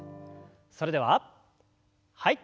それでははい。